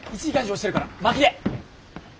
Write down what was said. １時間以上押してるから巻きで！